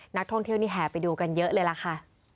นักท่องเที่ยวนี่แห่ไปดูกันเยอะเลยล่ะค่ะ